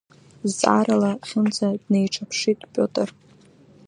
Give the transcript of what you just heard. Зҵаарала Хьымца днеиҿаԥшит Пиотр.